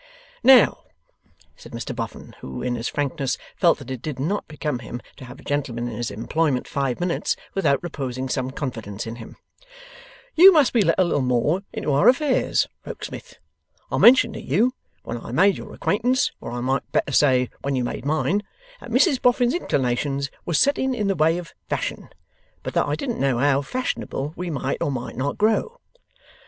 'Now,' said Mr Boffin, who, in his frankness, felt that it did not become him to have a gentleman in his employment five minutes, without reposing some confidence in him, 'you must be let a little more into our affairs, Rokesmith. I mentioned to you, when I made your acquaintance, or I might better say when you made mine, that Mrs Boffin's inclinations was setting in the way of Fashion, but that I didn't know how fashionable we might or might not grow.